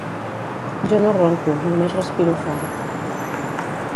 Jo no ronco només respiro fort